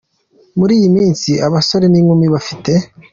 Muri iyi minsi abasore n’inkumi bafite.